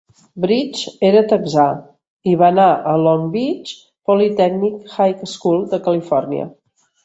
Bridges era texà i va anar al Long Beach Polytechnic High School de Califòrnia.